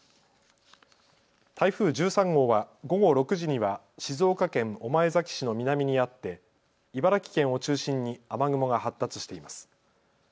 台風１３号は午後６時には静岡県御前崎市の南にあって茨城県を中心に雨雲が発達しています。